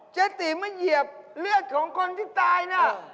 เจ๊ติมาเหยียบเลือดของคนที่ตายน่ะ